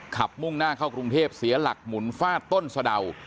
มุ่งหน้าเข้ากรุงเทพเสียหลักหมุนฟาดต้นสะดาว